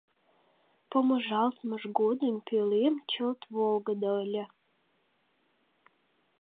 Помыжалтмыж годым пӧлем чылт волгыдо ыле.